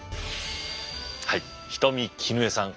はい人見絹枝さん。